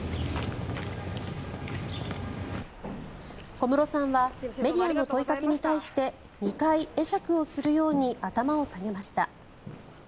小室さんはメディアの問いかけに対して２回会釈をするように頭を下げました。